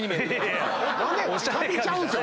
カビちゃうんすよ！